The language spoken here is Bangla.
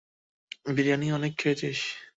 বিরিয়ানি অনেক খেয়েছিস।